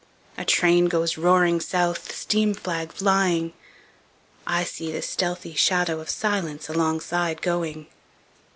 A train goes roaring south, The steam flag flying;I see the stealthy shadow of silenceAlongside going.